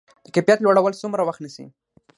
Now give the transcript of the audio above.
د کیفیت لوړول څومره وخت نیسي؟